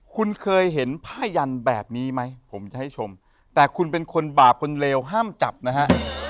คุณเคยเห็นผ้ายันแบบนี้ไหมผมจะให้ชมแต่คุณเป็นคนบาปคนเลวห้ามจับนะฮะ